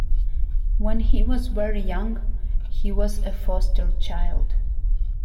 When he was very young, he was a foster child.